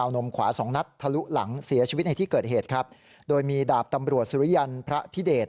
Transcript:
นมขวาสองนัดทะลุหลังเสียชีวิตในที่เกิดเหตุครับโดยมีดาบตำรวจสุริยันพระพิเดช